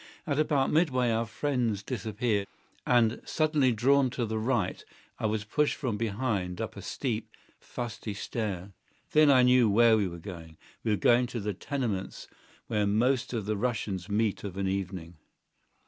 At about midway our friends disappeared, and, suddenly drawn to the right, I was pushed from behind up a steep, fusty stair. Then I knew where we were going. We were going to the tenements where most of the Russians meet of an evening.